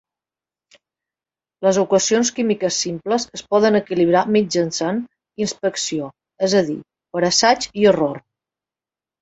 Les equacions químiques simples es poden equilibrar mitjançant inspecció, és a dir, per assaig i error.